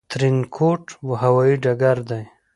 ترينکوټ هوايي ډګر دى